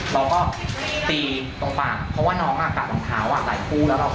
เราก็ตีตรงฝั่งเพราะว่าน้องกลับรองเท้าหลายคู่แล้วเราก็